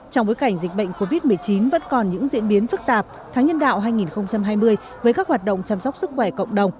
trong bối cảnh dịch bệnh covid một mươi chín vẫn còn những diễn biến phức tạp tháng nhân đạo hai nghìn hai mươi với các hoạt động chăm sóc sức khỏe cộng đồng